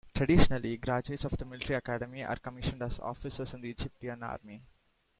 Traditionally, graduates of the Military Academy are commissioned as officers in the Egyptian Army.